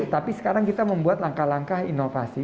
tapi sekarang kita membuat langkah langkah inovasi